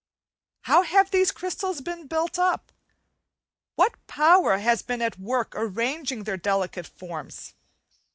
How have these crystals been built up? What power has been at work arranging their delicate forms?